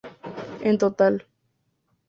En total.